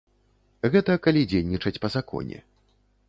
Гэта калі дзейнічаць па законе.